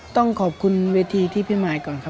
ต้องขอบคุณเวทีที่พี่มายก่อนครับ